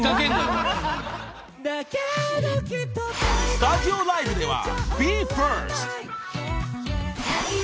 ［スタジオライブでは］